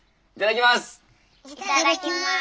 いただきます！